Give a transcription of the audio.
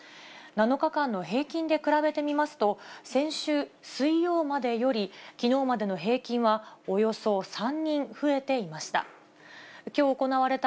７日間の平均で比べてみますと、先週水曜までより、きのうまでの平均はおよそ３人増えていました。